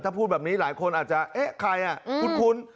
ถ้าพูดแบบนี้หลายคนอาจจะเอ๊ะใครคุ้น